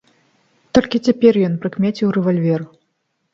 Толькі цяпер ён прыкмеціў рэвальвер.